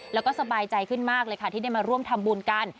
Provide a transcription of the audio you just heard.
แล้วก็สบายใจขึ้นมากเลยค่ะที่ได้มาร่วมทำบุญกัน